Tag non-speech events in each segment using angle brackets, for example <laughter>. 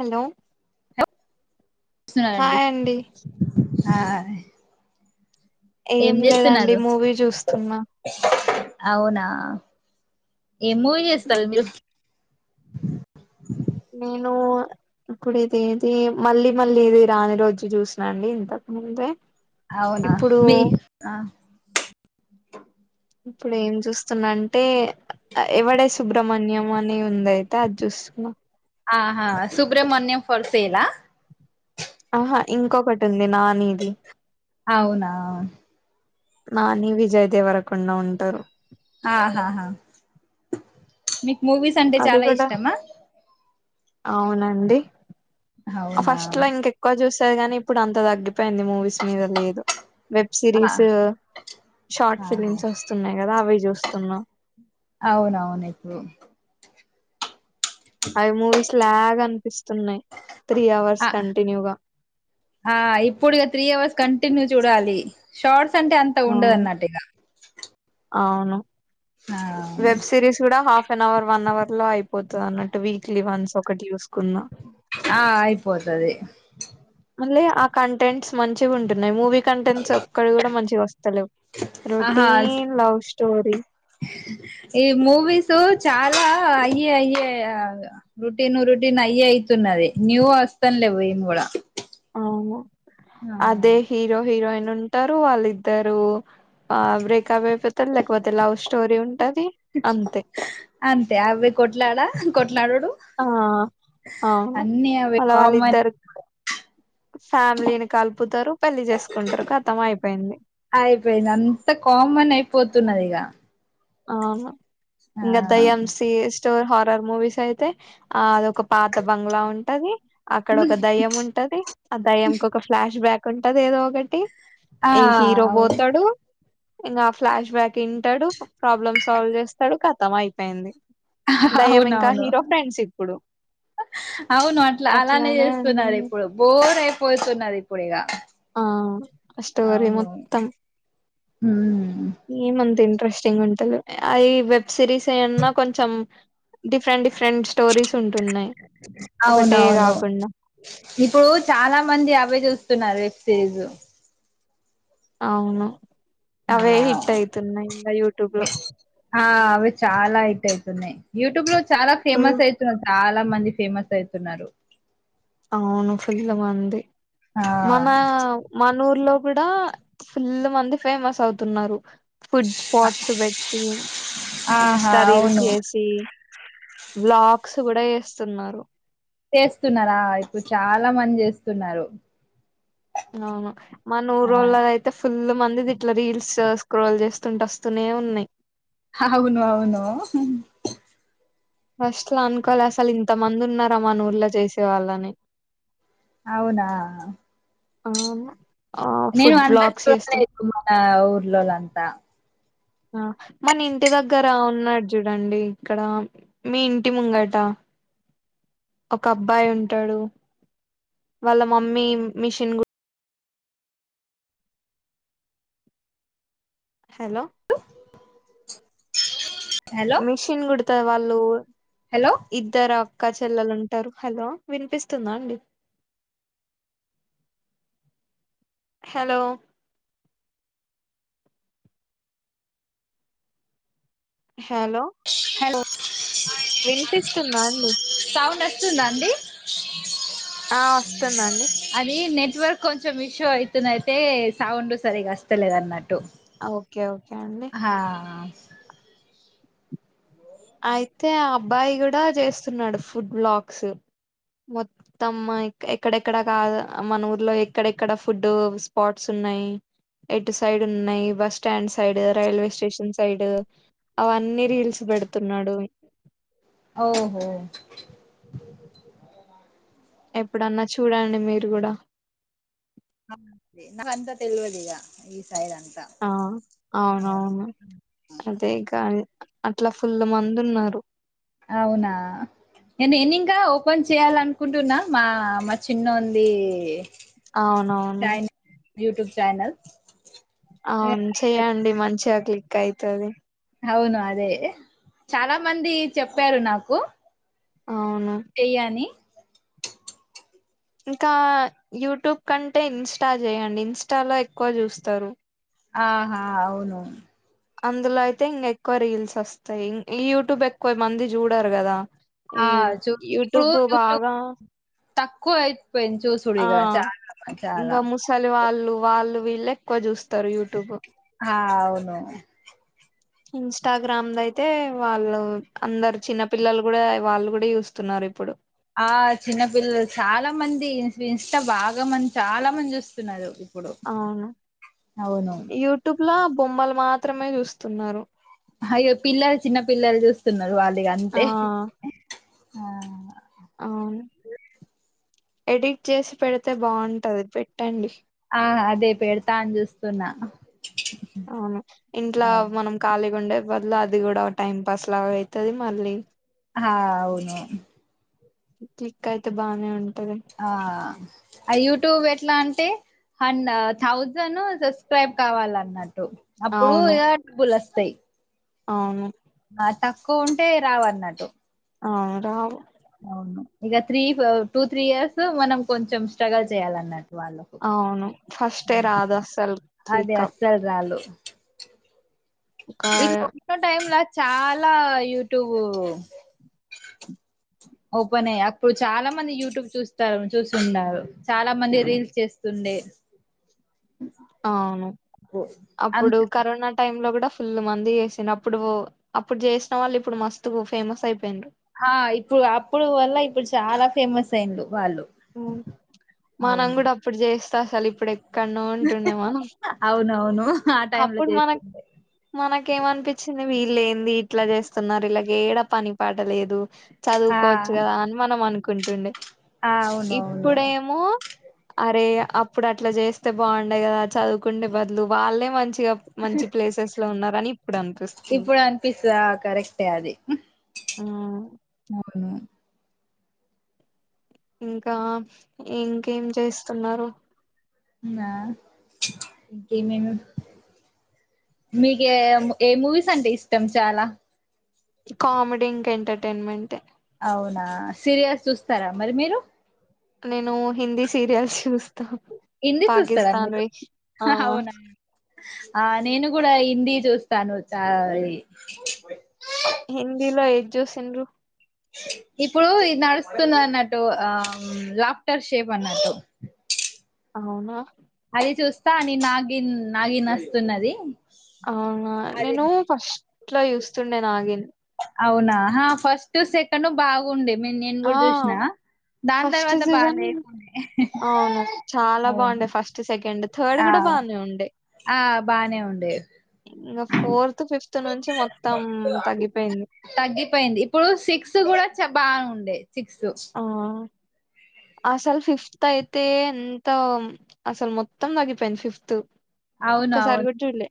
Hello స్తున్నాను అండి ఆ ఏం లేదండి చేస్తున్నారు మూవీ చూస్తున్నా అవునా ఏ మూవి చూస్తారు మీరు నేను ఇప్పుడు ఇది ఏది మళ్ళీ మళ్ళీ ఇది రాని రోజు చూసినా అండి ఇంత ముందే అవునా ఇప్పుడు మీ ఆ ఇప్పుడు ఏం చూస్తున్నా అంటే ఎవడే సు సుబ్రహ్మణ్యం అనే ఉందయితే అది చూసున్నా ఆహా సుబ్రమణ్యం ఫర్ సేల ఆహా ఇంకొకటి ఉంది నానిది అవునా నాని విజయ్ దేవరకుండా ఉంటారు ఆహాహా మీకు మూవీస్ అంటే అది చాలా కూడా ఇష్టమా అవునండి అవునా ఫస్ట్ లో ఇంక ఎక్కువ చూసేరు కాని ఇప్పుడు అంత తగ్గి పోయింది మూవీస్ మీద లేదు వెబ్ ఆ సిరీస్ షార్ట్ ఆహా ఫిలిమ్స్ వస్తున్నాయి కదా అవి చూస్తున్నా అవునవును <unintelligible> అ మూవీస్ లాగ్ అనిపిస్ ఇప్పుడు ఇగ త్రీ అవర్స్ క టిన్యూ చూడాలి షార్ట్స్ అంటే అంత ఉండదు అవును అన్నట్టు ఇగా అవును వెబ్ సిరీస్ కూడా half one hour one hour లో అయిపోతుంది అన్నట్టు వీక్లీ వన్స్ ఒకటి చెస్ ఆ అయ్యిపోతది మళ్ళీ ఆ కంటెంట్స్ మంచిగా ఉంటున్నాయి మూవీ కంటెంట్స్ ఒక్కటి కూడా మంచిగా వస్ ఆహా రోటీన్ ఈ మూవీస్ చాలా అయ్యే అయ్యే రుటీన్ రుటీన్ అయ్యే అయితున్నది న్యూ వ <unintelligible> ఏం కూడా అవును ఆ అదే హీరో హీరోయిన్ ఉంటారు వాళ్ళిద్దరు ఆ బ్రేక అప్ అయిపోతారు లేకుపోతే లవ్ స్టోరీ ఉ అంతే అవ్వే కొట్లాడా ఆ అవును అన్ని అవి అలా వాళ్ళ కామన్ ఇద్దరు ఫ్యామిలీని కలుపుతారు పెళ్లి చేసుకుంటారు కతం అయిపోయింది పోతున్నది ఇగా అవును ఇంకా దెయ్యం సి స్టోర్ హారర్ మూవీస్ అయితే ఆ అదొక పాత బంగ్లా ఉంటది అక్కడ ఒక దయ్యం ఉంటది ఆ దయ్యం కి ఒక ఫ్లాష్ బ్యాక్ ఉంటది ఏదో ఒకటి ఆ ఈ హీరో పోతాడు ఇంకా ఫ్లాష్ బ్యాక్ వింటాడు ప్రాబ్లమ్ సాల్వ్ చేస్తాడు కతం అయిపోయింది దయ్యం ఇంకా అవునవును హీరో ఫ్రెండ్స్ ఇప్పుడు అవును అట్లా అలానే అట్లానే చేస్తున్నారు ఉంటుంది ఇప్పుడు బోర్ అయిపోతున్నాది ఇప్పుడు ఇక ఆ స్టోరీ మొత్తం ఏం అంత ఇంటెస్టింగ్ ఉంటంది అ వెబ్ సిరీస్ ఏన్నా కొంచెం డిఫరెంట్ ఫెరెంట్ స్టోరీస్ ఉంటున్నాయి ఒకటే అవునవును కాకుండా ఇప్పుడు చాలా మంది అవే చూస్తున్నారు తేజు అవును ఆ అవే హిట్ అయ్యితున్నాయి ఇక యూ ట్యూబ్ లో ఆ అవి చాలా హిట్ అయ్యితున్నాయి యూ ట్యూబ్ లో చాలా ఫేమస్ అయ్యితున్నా చాలా మంది ఫేమస్ <unintelligible> తున్నారు అవును ఫుల్ల మంది ఆ మన మన ఊరులో కూడా ఫుల్ మంది ఫేమస్ అవుతున్నారు ఫుడ్ స్పాట్స్ పెట్టి ఆహా ఇంస్టా రీల్స్ అవును చేసి వోల్గాస్ కూడా చేస్తున్నారు చేస్తున్నారా ఇప్పుడు చాలా మంది చేస్తున్నారు అవును మన ఆ ఊరొలది అయితే ఫుల్ మంది ఇట్ల రీల్స్ స్క్రోల్ చేస్తుంట వస్తూనే ఉన్నాయి అవును అవును ఫస్ట్ లో అనుకోల అసలు ఇంత మంది ఉన్నారా మాన ఊర్లో చేసే వాళ్ళని అవునా ఆవునా నేను అంతా చూడలేదు మన ఊర్లో అంతా ఆ మన ఇంటి దగ్గర ఉన్నాడు చూడండి ఇక్కడ మీ ఇంటి ముంగట అ ఒక అబ్బాయి ఉంటాడు వాళ్ళ మమ్మీ మిషన్ గు హలో హలో మెషిన్ గుడతారు వాళ్ళు హలో ఇద్దర క్ అక్క చెల్లలుంటారు హలో వినిపిస్తుందా అండి హలో హలో హలో వినిపిస్తుందా అండి స్తుందా అండి ఆ వస్తుందండి ఇట్వర్క్ కొంచెం ఇషో అవుతుంది అయితే సౌండ్ సరిగ్గా వస్తలేదు అన్నట్టు టు ఓకే ఓకే అండి హా అ అయితే ఆ అబ్బాయి కూడా చేస్తున్నాడు ఫుడ్ బ్లాగ్స్ మొత్తం ఎక్కడెక్కడ కాదు మన ఊర్లో ఎక్కడెక్కడ ఫుడ్ స్పాట్స్ ఉన్ ఉన్నాయి ఎటు సైడ్ ఉన్నాయి bus stand side railway station side అవన్నీ రీల్స్ పెడ్ అ <inaudible> ఓహో ఎప్పుడన్నా చూడండి మీరు కూడా నా అంతా తెలివదుగా ఇగ ఆ అవునవును అదే గా అవునా నే ను ఎనింగ్ ఇంకా ఓపెన్ చేయాలనుకుంటున్నా మా మా చిన్నోన్ ది అవునవును యట్యూబ్ చానల్ అవును చెయ్యండి మంచిగా క్లిక్ అయితది అవును అదే చాలా మంది చెప్పారు నాకు అవును చెయ్యి అనీ ఇంకా యూట్యూబ్ కంటే ఇంస్టా చేయండి ఇంస్టాలో ఎక్కువ చూస్తారు ఆహా అవును అందులో అయితే ఇంగ ఎక్కువ రీల్స్ వస్తాయి యూట్యూబ్ ఎక్కువ మంది చూడారు కదా ఆ ఈ వ్ చూ ఇప్పుడు యూట్యూబ్ యూట్యూబ్ బాగా తక్కువ య్ ఆ ఇంగ ముసలి వాళ్ళు వాళ్ళు వీళ్ళు ఎక్కువ జూ స్తారు యూట్యూబ్ ఆ అవును ఇన్స్టాగ్రామ్ ద అయితే వాళ్ళు అందరు చిన్నపిల్లలు కూడా వాళ్ళు కూడా చూస్తున్నార్ మరి ఇప్పుడు ఆ చిన్నపిల్లలు చాలా మంది ఇన్ ఇంస్టా బాగా మంది చాలా మంది చూస్తున్నారు ఇప్పుడు అవును అవును యూట్యూబ్ లో బొమ్మలు మాత్రమే చూస్తున్నారు అయ్యో పిల్లలు చిన్న పిల్లలు చూస్తున్నారు వాళ్ ఆ గంతే ఆ అవును ఎడిట్ చేసి పెడితే బాగుంటది పెట్టండి ఆ అదే పెడతా అని చూస్తున్నా అవును ఇంట్లా అవును మనం ఖాళీగా ఉండే వల్ల అది కూడా ఒక టైం పాస్ లాగా అయ్ తది మళ్ళీ ఆ అవును క్లిక్ అయితే బానే ఉన్ ఆ ఆ యూట్యూబ్ ఎట్లా అంటే హన్ థౌజండ్ సబ్స్క్రైబ్ కావాలన్నట్ ట్టు అప్పుడు అవును ఇగ బ్బులు వస్తాయ్ అవును ఆ తక్కువ ఉంటే రావ అన్నట్టు అ రావు అవును ఇక త్రీ టూ త్రీ ఇయర్స్ మనం కొంచెం స్ట్రగుల్ చేయాలన్నట్టు వాళ్లకు అవును ఫస్టే రాదు అస్సలు అది క్లిక్ అప్ అసలు రాలు ఒక ఇ కొంచెం టైమ్లా చాలా యూట్యూబ్ ఓపెన్ అయ్య అప్పుడు చాలా మంది యూట్యూబ్ చూస్తారు చూస్తున్నారు చాలా మంది రీల్స్ చేస్తుండే అవును అంత అప్పుడు కరోనా టైమ్ లో కూడా ఫుల్ మంది చేసి అప్పుడు అప్పుడు చేసిన వాళ్ళు ఇప్పుడు మస్తు ఫేమస్ అయిపోయిరు ఆ ఇప్పుడు అప్పుడు వల్ల ఇప్పుడు చాలా ఫేమస్ అయింలు మానం కూడా అప్పుడు చేస్తా అసలు ఇప్పుడు ఎక్కడనో ఉంటుండే మన అవునవును ఆ టైమ్ లో అప్పుడు మన చేస్తుండే మన ఇ ఏమనిపించింది వీళ్ళు ఏంది ఇట్లా చేస్తున్నారు ఇలాగ ఏడా పని పాటలేదు ఆ చదువుకోవచ్చు కదా అని మనం అనుకుంటుండే ఆ అవునవును ఇప్పుడేమో అరే అప్పుడు అట్లా చేస్తే బాగుండయి కదా చదువుకుంటే బదులు వాళ్ళే మంచి మంచిగా మంచి ప్లేసెస్ లో ఉన్నారని ఇప్పుడు అనిపిస్తుంది ఇప్పుడు అనిపిస్తా కరెక్టే అది ఉమ్, అవును ఇంకా ఇంకేం చేస్తున్నారు నా ఇక మ మీక ఏ మూవీస్ అంటే ఇష్టం చాలా కామెడీ ఇంకా ఎంటర్టైన్మెంట్ అవునా సీరియస్ చూస్తారా మరి మీరు నేను హిందీ సీరియల్స్ చూ హిందీ చూస్తారా మీరు ఆ అవునా ఆ నేను కూడా హిందీ చూస్తాను చాల హిందీలో ఏది చూసింలు అ ఇప్పుడు ఇది నడుస్తుంది అన్నట్టు ఆ లాఫ్టర్ షేప్ అన్నట్టు అవునా అది చూస్తా న నాగిన్ నాగిన్ వస్తున్నది అవునా అది నేను ఫస్ట్ లో చూస్తుండే నాగిన్ అవునా ఫస్ట్ సెకండ్ బాగుండే నేను ఆ కూడా చూసిన దాని ఫస్ట్ తర్వాత సీజన్ బాగాలేపోనే అవును చాలా బాగుండే ఫస్ట్ సెకండ్ థర్డ్ ఆ కూడా బానే ఆ బనే ఉండ ఇంకా ఫోర్త్ ఫిఫ్త్ నుంచి మొత్తం తగ్గిపోయింది తగ్గిపోయింది ఇప్పుడు సిక్స్ కూడా బాగుండే సిక్స్ ఆ అ అసలు ఫిఫ్త్ అయితే ఎంత అసలు మొత్తం తగ్గిపోయింది ఫిఫ్త్ అవును ఒక్కసారి అవును కూడా చూడలే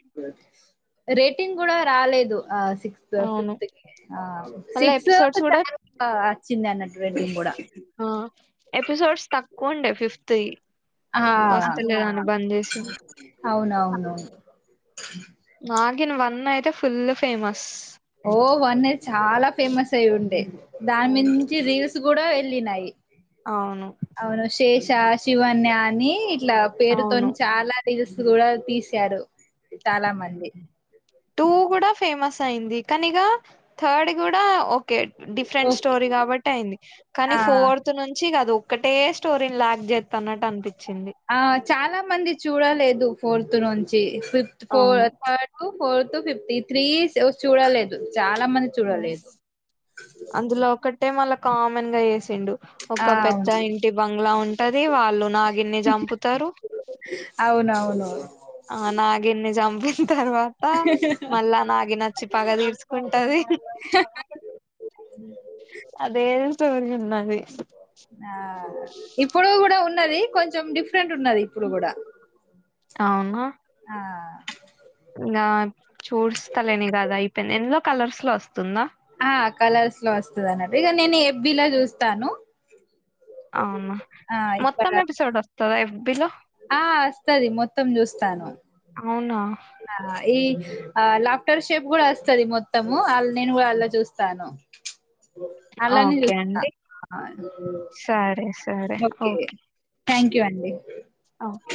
రేటింగ్ కూడా రాలేదు సిక్స్త్ అవును ఫిఫ్త్ ఆ మళ్ళా సిక్స్ ఎపిసోడ్స్ కూడా చాల వచ్చింది అన్నటువంటి కూడా ఆ ఎపిసోడ్స్ తక్కువ ఉండే ఫిఫ్త్ ఆ వస్తలేదని బంద్ చేసిండ్రు అవునవునువును నాగిన్ వన్ అయితే ఫుల్ ఫేమస్ ఓవన్నీ చాలా ఫేమస్ అయి ఉండే దాని అవును మంచి రీవస్ కూడా వెళ్ళినాయి అవును అవును శేష శివన్ అని ఇట్లా పేరుతో అవును చాలా రిల్స్ కూడా తీసారు చాలా మంది టూ కూడా ఫేమస్ అయింది కనిగా థర్డ్ కూడా కె డిఫరెంట్ ఓకే. స్టోరీ కాబట్టి అయింది కానీ ఆ! ఫోర్త్ నుంచి కదు ఒకటే స్టోరీని లాక్ చెత్తాన్నట్టు అనిపిత్ ఆ చాలా మంది చూడలేదు ఫోర్త్ నుంచి ఫిఫ్త్ ఫోర్ అవును థర్డ్ ఫోర్త్ ఫిఫ్త్ ఈ త్రీ చూడలేదు చాలా మంది చూడలేదు అందులో ఒకటే మళ్ళా కామన్ గా వేసి సిండు ఆ ఒక పెద్ద అవును ఇంటి బంగ్లా ఉంటది వాళ్ళు నాగిన్ని చంపుతారు అవునవును ఆ నాగిన్ని జంపి తర్వాత మళ్ళా నాగిన్ నచ్చి పగ తీర్చుకుంటది అదే స్టోరీ ఉన్నాది ఆ ఇప్పుడు కూడా ఉన్నది కొంచం కొంచెం డిఫరెంట్ ఉన్నది ఇప్పుడు కూడా అవునా చూడస్తలేని కదా ఈ పెన్ ఎంద్లో కలర్స్ లో వస్తుందా ఇగ నేను ఎఫ్ బిలా చూస్తాను అవునా ఆ ఇక్కడ మొత్తం ఎపిసోడ్ వస్తద ఎఫ్ బి లో ఆ వస్తది మొత్తం చూస్తాను అవునా ఈ ఆ లాఫ్టర్ షేప్ కూడా వస్తది మొత్తము వాళ్ నేను కూడా అళ్లా చూస్తాను అలాని ఓకే చూస్తా అండి సరే సరే ఓకే థ్యాంక్ యూ అండి ఓకే